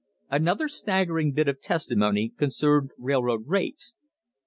Another staggering bit of testimony concerned railroad rates.